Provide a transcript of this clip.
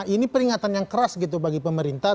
ini peringatan yang keras gitu bagi pemerintah